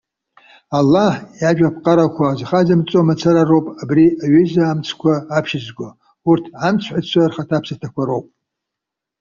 Аллаҳ иажәаԥҟарақәа азхазымҵо мацара роуп абри аҩыза амцқәа аԥшьызго, урҭ амцҳәаҩцәа рхаҭаԥсаҭақәа роуп.